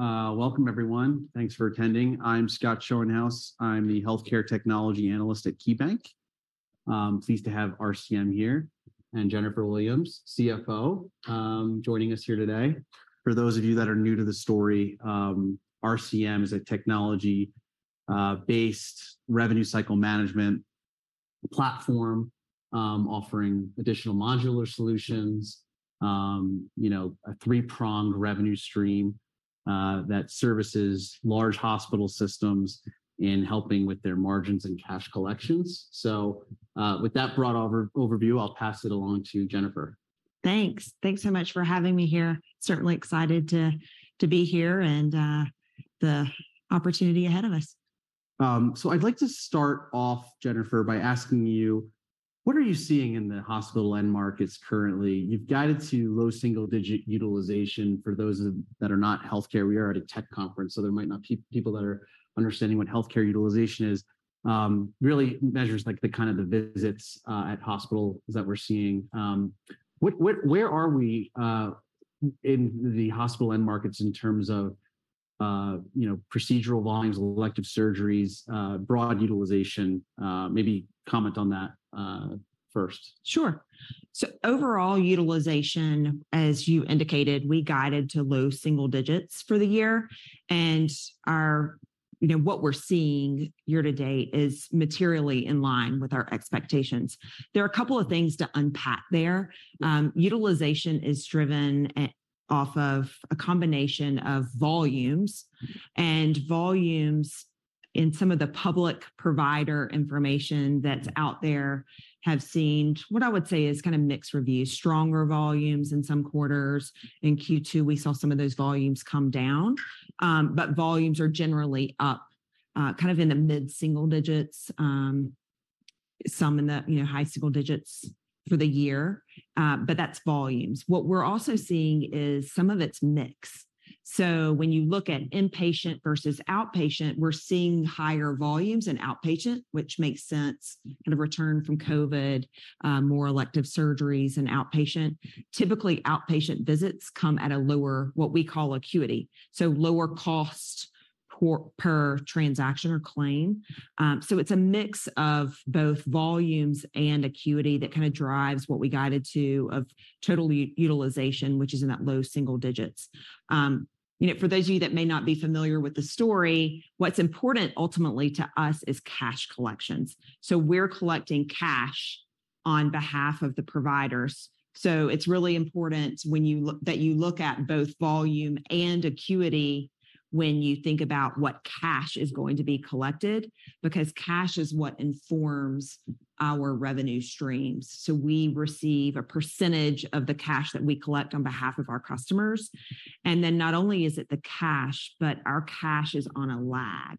Hey, welcome, everyone. Thanks for attending. I'm Scott Schoenhaus. I'm the healthcare technology analyst at KeyBanc. I'm pleased to have RCM here, and Jennifer Williams, Chief Financial Officer, joining us here today. For those of you that are new to the story, RCM is a technology based revenue cycle management platform, offering additional modular solutions, you know, a three-pronged revenue stream that services large hospital systems in helping with their margins and cash collections. With that broad overview, I'll pass it along to Jennifer. Thanks. Thanks so much for having me here. Certainly excited to, to be here and the opportunity ahead of us. I'd like to start off, Jennifer, by asking you: what are you seeing in the hospital end markets currently? You've guided to low single-digit utilization. For those of, that are not healthcare, we are at a tech conference, so there might not be people that are understanding what healthcare utilization is. really measures like the kind of the visits, at hospital that we're seeing. where are we in the hospital end markets in terms of, you know, procedural volumes, elective surgeries, broad utilization? maybe comment on that first. Sure. Overall utilization, as you indicated, we guided to low single digits for the year, and our, you know, what we're seeing year to date is materially in line with our expectations. There are a couple of things to unpack there. Utilization is driven off of a combination of volumes, and volumes in some of the public provider information that's out there have seen what I would say is kind of mixed reviews, stronger volumes in some quarters. In Q2, we saw some of those volumes come down. Volumes are generally up, kind of in the mid-single digits, some in the high single digits for the year, but that's volumes. What we're also seeing is some of it's mix. When you look at inpatient versus outpatient, we're seeing higher volumes in outpatient, which makes sense, kind of return from COVID, more elective surgeries in outpatient. Typically, outpatient visits come at a lower, what we call acuity, so lower cost per transaction or claim. It's a mix of both volumes and acuity that kind of drives what we guided to of total utilization, which is in that low single digits. You know, for those of you that may not be familiar with the story, what's important ultimately to us is cash collections. We're collecting cash on behalf of the providers. It's really important when you look that you look at both volume and acuity when you think about what cash is going to be collected, because cash is what informs our revenue streams. We receive a percentage of the cash that we collect on behalf of our customers. Not only is it the cash, but our cash is on a lag.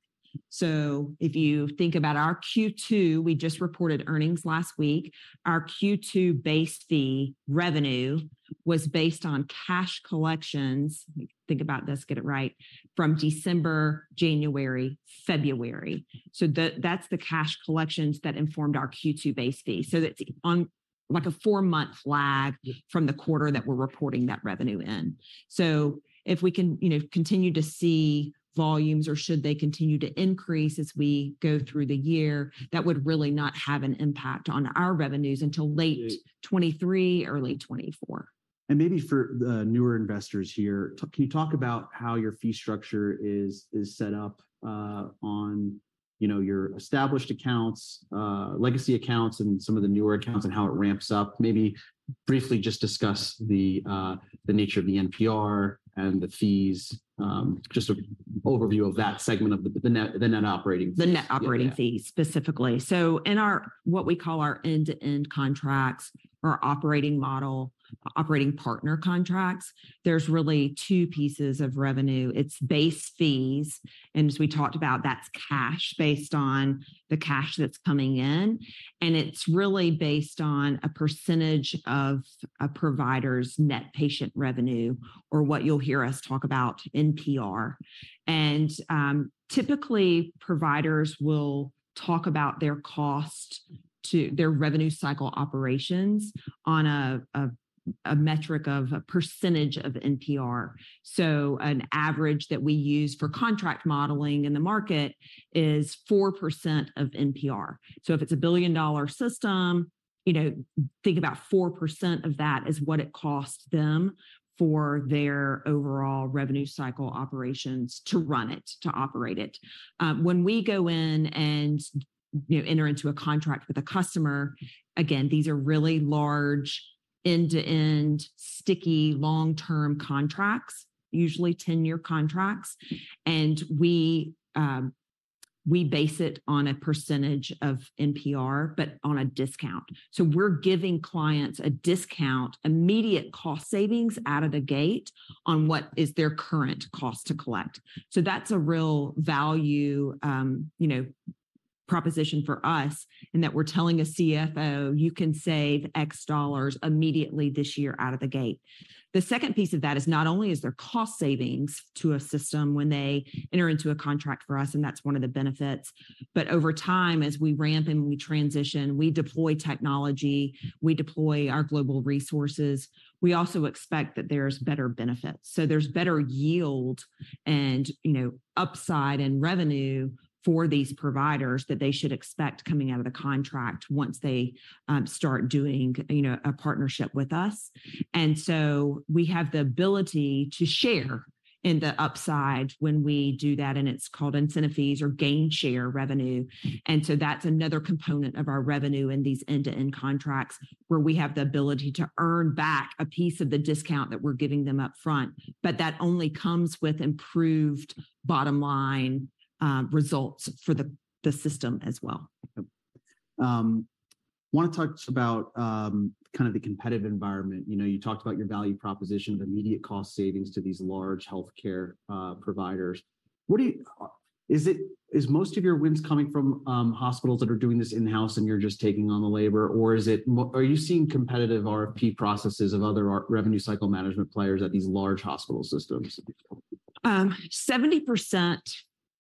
If you think about our Q2, we just reported earnings last week. Our Q2 base fee revenue was based on cash collections, let me think about this, get it right, from December, January, February. That, that's the cash collections that informed our Q2 base fee. That's on like a four-month lag from the quarter that we're reporting that revenue in. If we can, you know, continue to see volumes, or should they continue to increase as we go through the year, that would really not have an impact on our revenues until late 2023 or late 2024. Maybe for the newer investors here, can you talk about how your fee structure is, is set up, on, you know, your established accounts, legacy accounts, and some of the newer accounts, and how it ramps up? Maybe briefly just discuss the nature of the NPR and the fees, just an overview of that segment of the net operating fees. The Net operating fees... Yeah specifically. In our, what we call our end-to-end contracts or operating model, operating partner contracts, there's really two pieces of revenue. It's base fees. As we talked about, that's cash based on the cash that's coming in. It's really based on a percentage of a provider's net patient revenue, or what you'll hear us talk about, NPR. Typically, providers will talk about their cost to their revenue cycle operations on a metric of a percentage of NPR. An average that we use for contract modeling in the market is 4% of NPR. If it's a billion-dollar system, you know, think about 4% of that is what it costs them for their overall revenue cycle operations to run it, to operate it. When we go in and, you know, enter into a contract with a customer, again, these are really large, end-to-end, sticky, long-term contracts, usually 10-year contracts, and we base it on a percentage of NPR, but on a discount. We're giving clients a discount, immediate cost savings out of the gate on what is their current cost to collect. That's a real value, you know, proposition for us, in that we're telling a CFO, "You can save X dollars immediately this year out of the gate." The second piece of that is not only is there cost savings to a system when they enter into a contract for us, and that's one of the benefits, but over time, as we ramp and we transition, we deploy technology, we deploy our global resources, we also expect that there's better benefits. There's better yield and, you know, upside in revenue for these providers that they should expect coming out of the contract once they start doing, you know, a partnership with us. We have the ability to share in the upside when we do that, and it's called incentive fees or gainshare revenue. That's another component of our revenue in these end-to-end contracts, where we have the ability to earn back a piece of the discount that we're giving them upfront. That only comes with improved bottom-line results for the system as well. I wanna talk just about, kind of the competitive environment. You know, you talked about your value proposition of immediate cost savings to these large healthcare providers. Is most of your wins coming from hospitals that are doing this in-house and you're just taking on the labor, or is it are you seeing competitive RFP processes of other revenue cycle management players at these large hospital systems? 70%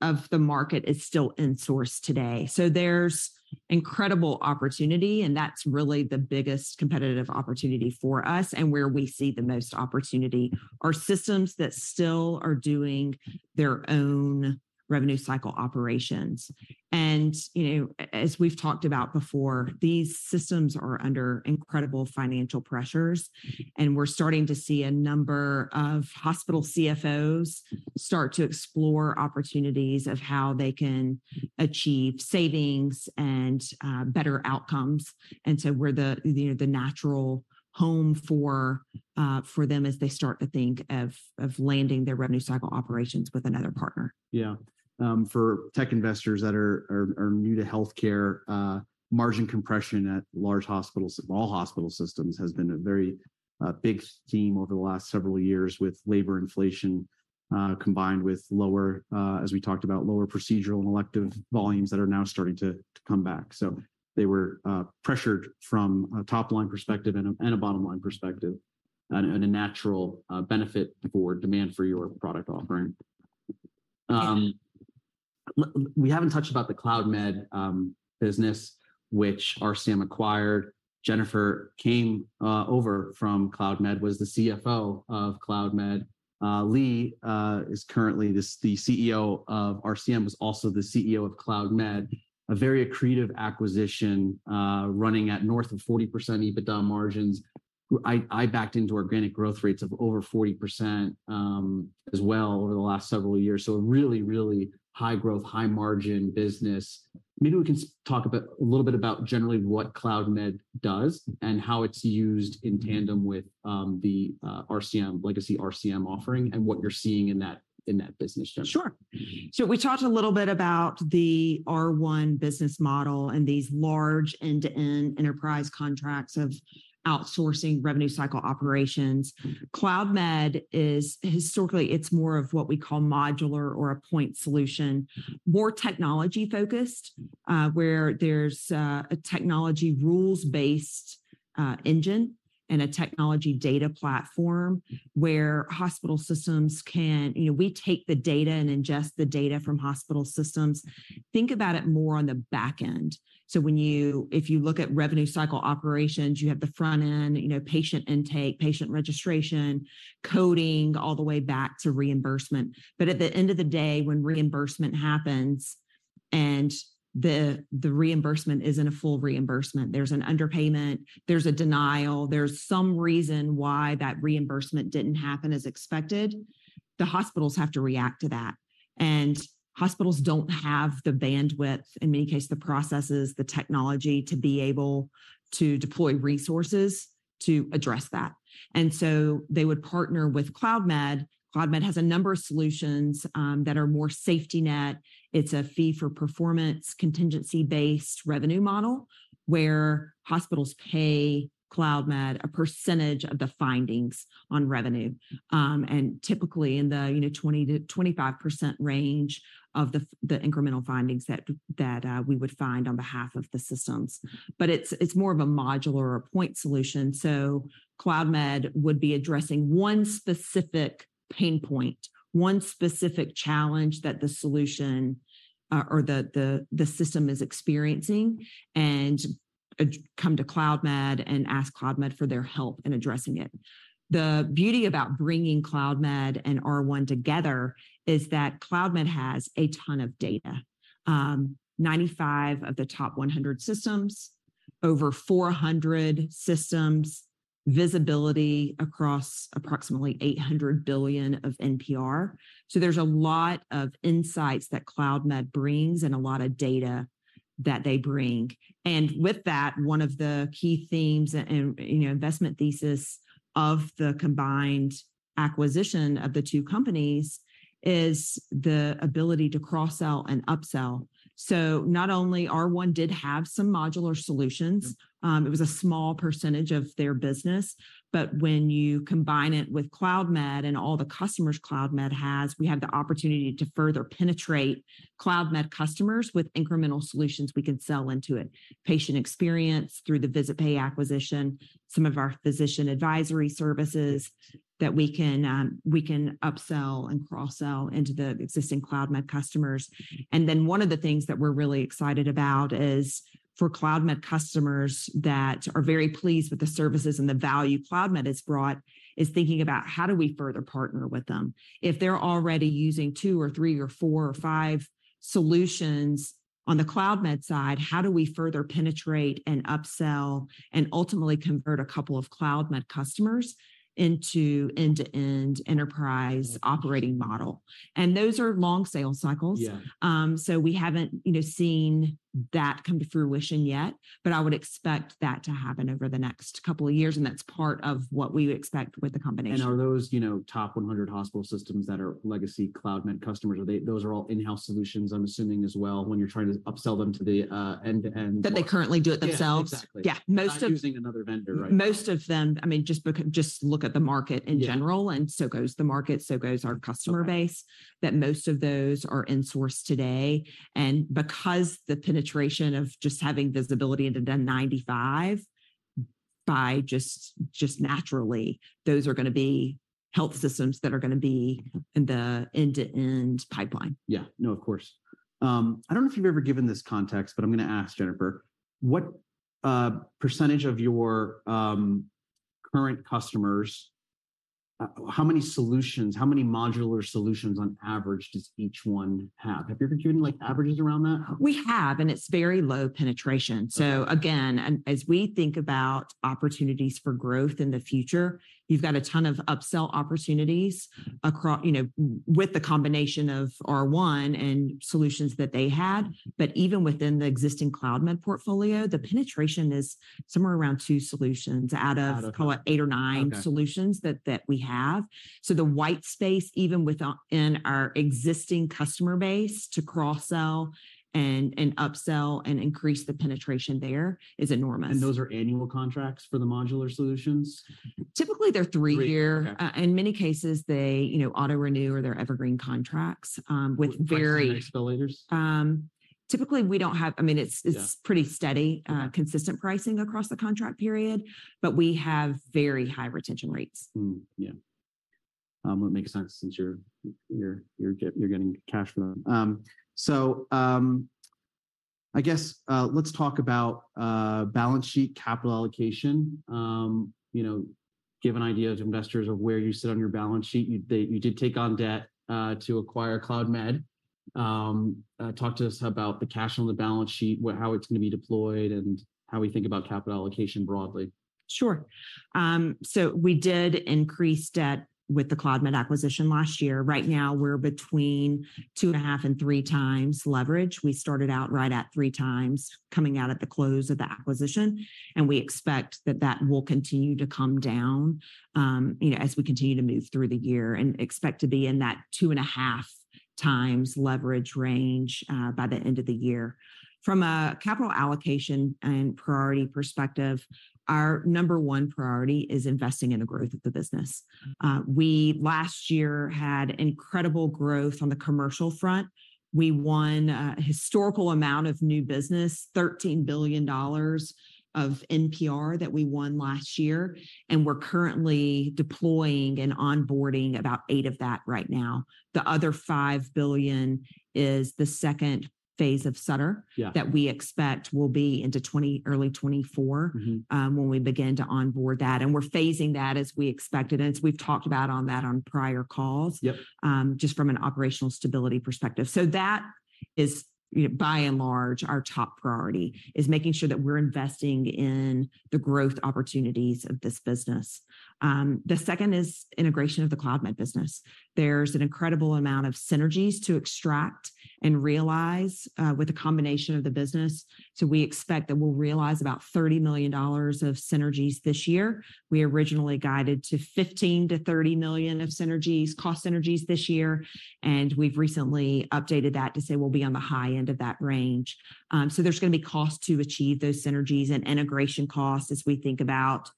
of the market is still in-source today. There's incredible opportunity, and that's really the biggest competitive opportunity for us and where we see the most opportunity, are systems that still are doing their own revenue cycle operations. You know, as we've talked about before, these systems are under incredible financial pressures, and we're starting to see a number of hospital CFOs start to explore opportunities of how they can achieve savings and better outcomes. We're the, the, the natural home for them as they start to think of, of landing their revenue cycle operations with another partner. Yeah. For tech investors that are new to healthcare, margin compression at large hospitals, all hospital systems, has been a very big theme over the last several years with labor inflation, combined with lower, as we talked about, lower procedural and elective volumes that are now starting to come back. They were pressured from a top-line perspective and a bottom-line perspective, and a natural benefit for demand for your product offering. We haven't touched about the Cloudmed business, which RCM acquired. Jennifer came over from Cloudmed, was the CFO of Cloudmed. Lee is currently the CEO of RCM, is also the CEO of Cloudmed. A very accretive acquisition, running at north of 40% EBITDA margins. I, I backed into organic growth rates of over 40% as well, over the last several years. A really, really high-growth, high-margin business. Maybe we can talk about a little bit about generally what Cloudmed does and how it's used in tandem with the RCM, legacy RCM offering and what you're seeing in that, in that business journey. Sure. We talked a little bit about the R1 business model and these large end-to-end enterprise contracts of outsourcing revenue cycle operations. Cloudmed is... Historically, it's more of what we call modular or a point solution, more technology-focused, where there's a technology rules-based engine and a technology data platform, where hospital systems can you know, we take the data and ingest the data from hospital systems. Think about it more on the back end. When you, if you look at revenue cycle operations, you have the front end, you know, patient intake, patient registration, coding, all the way back to reimbursement. At the end of the day, when reimbursement happens and the reimbursement isn't a full reimbursement, there's an underpayment, there's a denial, there's some reason why that reimbursement didn't happen as expected, the hospitals have to react to that. Hospitals don't have the bandwidth, in many cases, the processes, the technology, to be able to deploy resources to address that. They would partner with Cloudmed. Cloudmed has a number of solutions that are more safety net. It's a fee-for-performance, contingency-based revenue model, where hospitals pay Cloudmed a percentage of the findings on revenue, and typically in the, you know, 20%-25% range of the incremental findings that we would find on behalf of the systems. It's, it's more of a modular or a point solution. Cloudmed would be addressing one specific pain point, one specific challenge that the solution or the, the, the system is experiencing, and come to Cloudmed and ask Cloudmed for their help in addressing it. The beauty about bringing Cloudmed and R1 together is that Cloudmed has a ton of data. 95 of the top 100 systems over 400 systems, visibility across approximately $800 billion of NPR. There's a lot of insights that Cloudmed brings and a lot of data that they bring. With that, one of the key themes and, and, you know, investment thesis of the combined acquisition of the two companies is the ability to cross-sell and upsell. Not only R1 did have some modular solutions, it was a small % of their business, but when you combine it with Cloudmed and all the customers Cloudmed has, we have the opportunity to further penetrate Cloudmed customers with incremental solutions we can sell into it. Patient experience through the VisitPay acquisition, some of our Physician Advisory Services that we can, we can upsell and cross-sell into the existing Cloudmed customers. One of the things that we're really excited about is for Cloudmed customers that are very pleased with the services and the value Cloudmed has brought, is thinking about: How do we further partner with them? If they're already using two or three or four or five solutions on the Cloudmed side, how do we further penetrate and upsell and ultimately convert a couple of Cloudmed customers into end-to-end enterprise operating model? Those are long sales cycles. Yeah. We haven't, you know, seen that come to fruition yet, but I would expect that to happen over the next couple of years, and that's part of what we expect with the combination. Are those, you know, top 100 hospital systems that are legacy Cloudmed customers, those are all in-house solutions, I'm assuming as well, when you're trying to upsell them to the end-to-end? That they currently do it themselves? Yeah, exactly. Yeah. Most of- Not using another vendor, right? Most of them... I mean, just look at the market in general... Yeah So goes the market, so goes our customer base. Okay... that most of those are in-sourced today. Because the penetration of just having visibility into the 95, just naturally, those are gonna be health systems that are gonna be in the end-to-end pipeline. Yeah. No, of course. I don't know if you've ever given this context, but I'm gonna ask, Jennifer: what percentage of your current customers, how many solutions, how many modular solutions on average does each 1 have? Have you ever given, like, averages around that? We have, and it's very low penetration. Okay. Again, as we think about opportunities for growth in the future, you've got a ton of upsell opportunities, you know, with the combination of R1 and solutions that they had. Even within the existing Cloudmed portfolio, the penetration is somewhere around two solutions. Out of-... call it eight or nine- Okay... solutions that, that we have. The white space, even in our existing customer base to cross-sell and, and upsell and increase the penetration there, is enormous. Those are annual contracts for the modular solutions? Typically, they're three-year. Three, okay. In many cases, they, you know, auto-renew or they're evergreen contracts, with very. Price and escalators? Typically, we don't have-- I mean, it's- Yeah... it's pretty steady- Okay... consistent pricing across the contract period, but we have very high retention rates. Yeah. Well, it makes sense since you're, you're, you're getting cash flow. I guess, let's talk about balance sheet capital allocation. You know, give an idea to investors of where you sit on your balance sheet. You, you did take on debt to acquire Cloudmed. Talk to us about the cash on the balance sheet, how it's gonna be deployed, and how we think about capital allocation broadly. Sure. We did increase debt with the Cloudmed acquisition last year. Right now, we're between 2.5 and three times leverage. We started out right at three times, coming out at the close of the acquisition, and we expect that that will continue to come down, you know, as we continue to move through the year, and expect to be in that 2.5 times leverage range by the end of the year. From a capital allocation and priority perspective, our number one priority is investing in the growth of the business. Mm. We, last year, had incredible growth on the commercial front. We won a historical amount of new business, $13 billion of NPR that we won last year, and we're currently deploying and onboarding about eight of that right now. The other $5 billion is the second phase of Sutter. Yeah... that we expect will be into 20, early 2024- Mm-hmm... when we begin to onboard that. We're phasing that as we expected, and as we've talked about on that on prior calls. Yep... just from an operational stability perspective. That is, by and large, our top priority, is making sure that we're investing in the growth opportunities of this business. The second is integration of the Cloudmed business. There's an incredible amount of synergies to extract and realize with the combination of the business, so we expect that we'll realize about $30 million of synergies this year. We originally guided to $15 million-$30 million of synergies, cost synergies this year, and we've recently updated that to say we'll be on the high end of that range. There's going to be costs to achieve those synergies and integration costs as we think about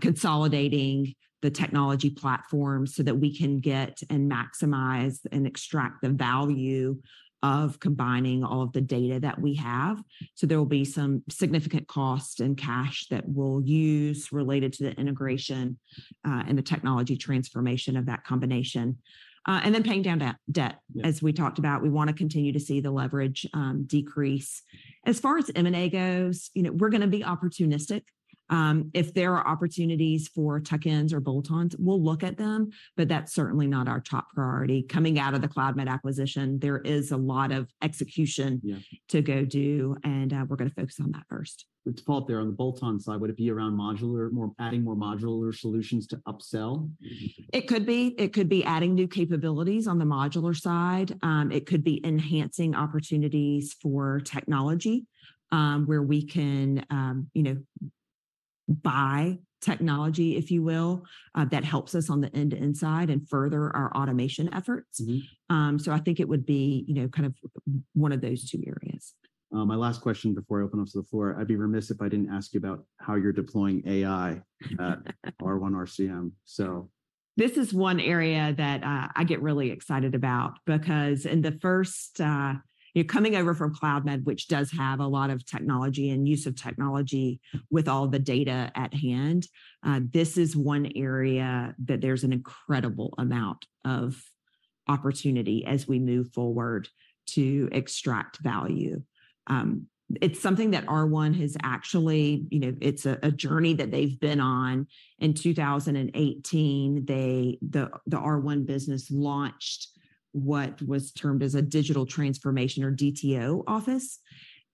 consolidating the technology platform so that we can get and maximize and extract the value of combining all of the data that we have. There will be some significant cost and cash that we'll use related to the integration, and the technology transformation of that combination. Paying down debt. Yeah. As we talked about, we wanna continue to see the leverage, decrease. As far as M&A goes, you know, we're gonna be opportunistic. If there are opportunities for tuck-ins or bolt-ons, we'll look at them, but that's certainly not our top priority. Coming out of the Cloudmed acquisition, there is a lot of execution. Yeah. to go do, and, we're gonna focus on that first. With default there on the bolt-on side, would it be around modular, more, adding more modular solutions to upsell? It could be. It could be adding new capabilities on the modular side. It could be enhancing opportunities for technology, where we can, you know, buy technology, if you will, that helps us on the end-to-end side and further our automation efforts. Mm-hmm. I think it would be, you know, kind of one of those two areas. My last question before I open up to the floor, I'd be remiss if I didn't ask you about how you're deploying AI at R1 RCM. This is one area that I get really excited about, because in the first, you're coming over from Cloudmed, which does have a lot of technology and use of technology with all the data at hand. This is one area that there's an incredible amount of opportunity as we move forward to extract value. It's something that R1 has actually, you know, it's a, a journey that they've been on. In 2018, the R1 business launched what was termed as a Digital Transformation Office, or DTO, office,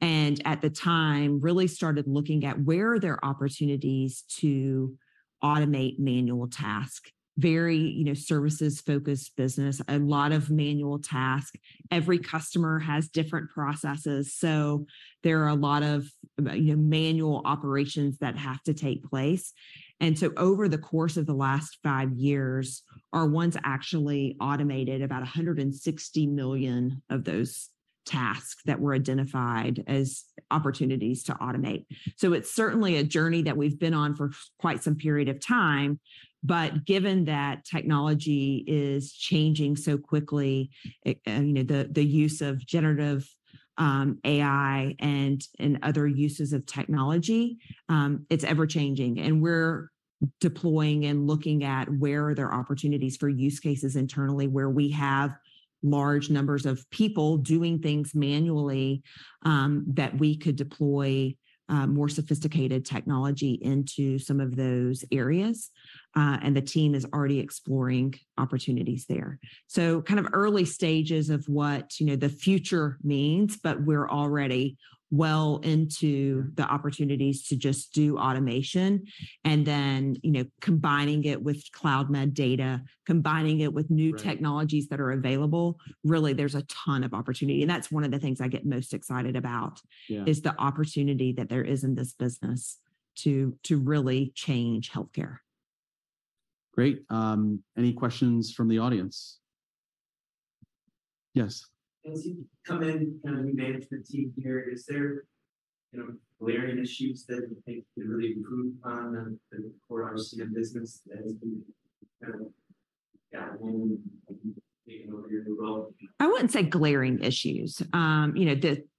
and at the time, really started looking at where are there opportunities to automate manual task. Very, you know, services-focused business, a lot of manual task. Every customer has different processes, so there are a lot of, you know, manual operations that have to take place. Over the course of the last five years, R1's actually automated about $160 million of those tasks that were identified as opportunities to automate. It's certainly a journey that we've been on for quite some period of time, but given that technology is changing so quickly, you know, the use of generative AI and other uses of technology, it's ever-changing. We're deploying and looking at where are there opportunities for use cases internally, where we have large numbers of people doing things manually, that we could deploy more sophisticated technology into some of those areas, and the team is already exploring opportunities there. Kind of early stages of what, you know, the future means, but we're already well into the opportunities to just do automation and then, you know, combining it with Cloudmed data, combining it with. Right... technologies that are available, really, there's a ton of opportunity, and that's one of the things I get most excited about. Yeah... is the opportunity that there is in this business to, to really change healthcare. Great, any questions from the audience? Yes. As you come in, kind of, the management team here, is there, you know, glaring issues that you think you can really improve on in the core RCM business that has been kind of, yeah, when you're taking over your new role? I wouldn't say glaring issues. The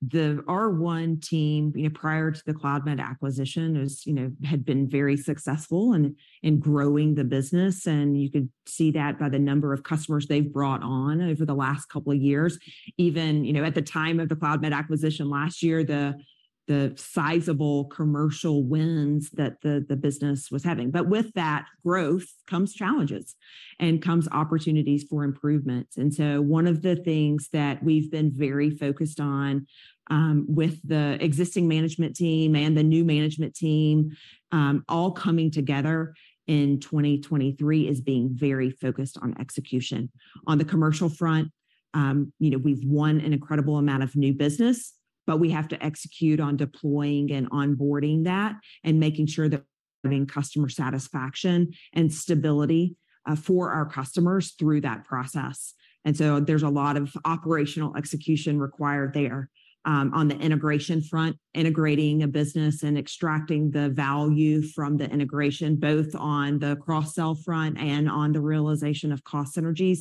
R1 team, prior to the Cloudmed acquisition, is had been very successful in growing the business, and you could see that by the number of customers they've brought on over the last couple of years. Even, at the time of the Cloudmed acquisition last year, the sizable commercial wins that the business was having. With that growth comes challenges and comes opportunities for improvements, and so one of the things that we've been very focused on, with the existing management team and the new management team, all coming together in 2023, is being very focused on execution. On the commercial front, you know, we've won an incredible amount of new business, but we have to execute on deploying and onboarding that and making sure that we're getting customer satisfaction and stability for our customers through that process. There's a lot of operational execution required there. On the integration front, integrating a business and extracting the value from the integration, both on the cross-sell front and on the realization of cost synergies,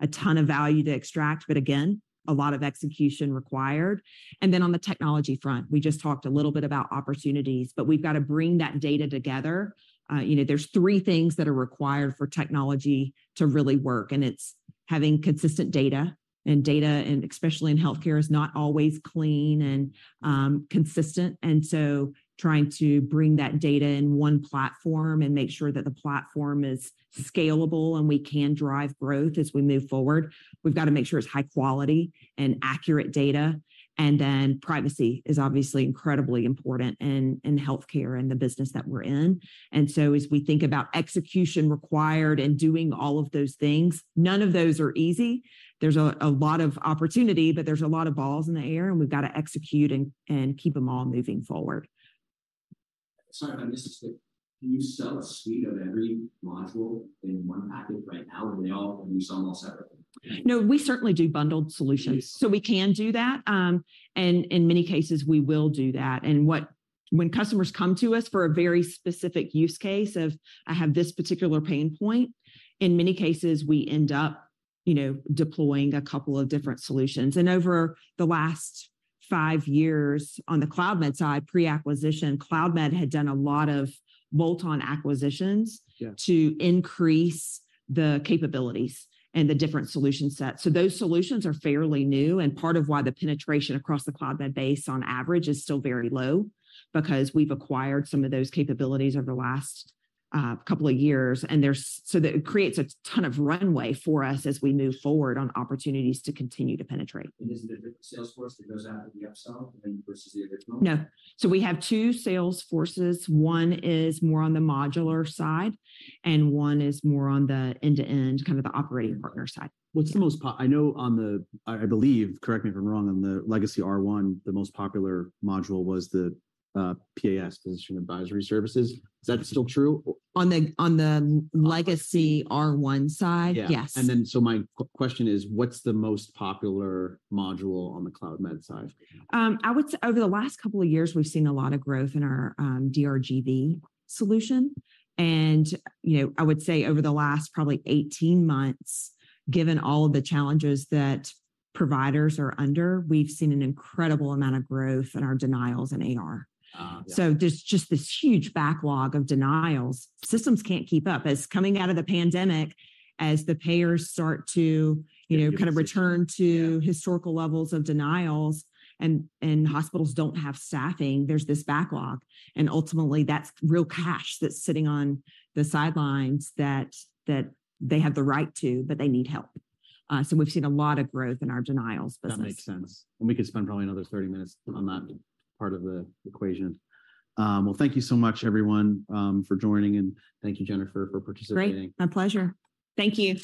a ton of value to extract, but again, a lot of execution required. On the technology front, we just talked a little bit about opportunities, but we've got to bring that data together. You know, there's three things that are required for technology to really work, and it's having consistent data, and data, and especially in healthcare, is not always clean and consistent, and so trying to bring that data in one platform and make sure that the platform is scalable and we can drive growth as we move forward. We've got to make sure it's high quality and accurate data, and then privacy is obviously incredibly important in, in healthcare and the business that we're in. As we think about execution required and doing all of those things, none of those are easy. There's a lot of opportunity, but there's a lot of balls in the air, and we've got to execute and keep them all moving forward. Sorry if I missed this, do you sell a suite of every module in one package right now, or do you sell them all separately? No, we certainly do bundled solutions. Great. We can do that, and in many cases, we will do that. When customers come to us for a very specific use case of, "I have this particular pain point," in many cases, we end up, you know, deploying a couple of different solutions. Over the last five years, on the Cloudmed side, pre-acquisition, Cloudmed had done a lot of bolt-on acquisitions- Yeah... to increase the capabilities and the different solution sets. Those solutions are fairly new and part of why the penetration across the Cloudmed base, on average, is still very low, because we've acquired some of those capabilities over the last, couple of years, so that it creates a ton of runway for us as we move forward on opportunities to continue to penetrate. Is it a different sales force that goes out with the upsell than versus the original? No. We have two sales forces. One is more on the modular side, and one is more on the end-to-end, kind of the operating partner side. What's the most I know on the, I believe, correct me if I'm wrong, on the legacy R1, the most popular module was the PAS, Physician Advisory Services. Is that still true? On the, on the legacy R1 side? Yeah. Yes. My question is, what's the most popular module on the Cloudmed side? I would say over the last couple of years, we've seen a lot of growth in our DRG solution. You know, I would say over the last probably 18 months, given all of the challenges that providers are under, we've seen an incredible amount of growth in our denials in AR. Ah, yeah. There's just this huge backlog of denials. Systems can't keep up. As coming out of the pandemic, as the payers start to, you know.... kind of return. Yeah... historical levels of denials, and hospitals don't have staffing, there's this backlog, and ultimately, that's real cash that's sitting on the sidelines that they have the right to, but they need help. We've seen a lot of growth in our denials business. That makes sense, and we could spend probably another 30 minutes on that part of the equation. Well, thank you so much, everyone, for joining, and thank you, Jennifer, for participating. Great! My pleasure. Thank you.